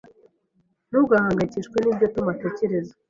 Ntugahangayikishwe nibyo Tom atekereza.